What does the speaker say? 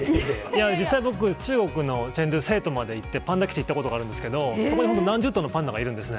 実際僕、中国の成都まで行って、パンダ基地行ったことあるんですけど、そこで本当、何十頭のパンダがいるんですね。